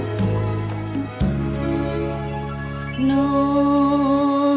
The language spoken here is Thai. ไม่ใช้ค่ะ